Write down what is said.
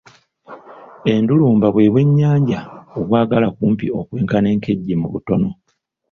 Endulumba bwe bwennyanja obwagala kumpi okwenkana enkejje mu butono.